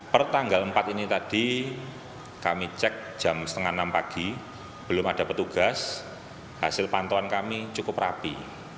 pertanggal empat ini tadi kami cek jam setengah enam pagi belum ada petugas hasil pantauan kami cukup rapi